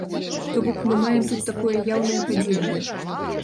То бок мы маем тут такое яўнае падзенне.